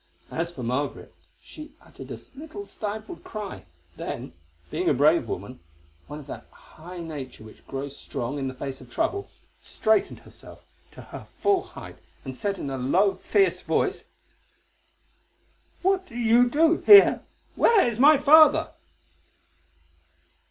As for Margaret, she uttered a little stifled cry, then, being a brave woman, one of that high nature which grows strong in the face of trouble, straightened herself to her full height and said in a low, fierce voice: "What do you here? Where is my father?"